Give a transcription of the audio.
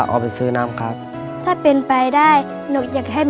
ในแคมเปญพิเศษเกมต่อชีวิตโรงเรียนของหนู